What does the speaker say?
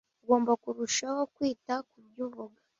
ugomba kurushaho kwita kubyo uvuga